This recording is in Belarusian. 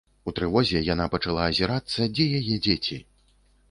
У трывозе яна пачала азірацца, дзе яе дзеці.